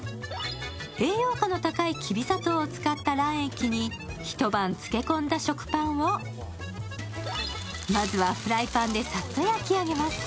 栄養価の高いきび砂糖を使った卵液に一晩漬け込んだ食パンを、まずはフライパンでさっと焼き上げます。